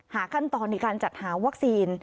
ขั้นตอนในการจัดหาวัคซีน